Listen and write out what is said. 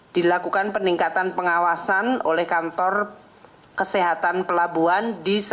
dilakukan peningkatan pengawasan oleh kantor kesehatan pelabuhan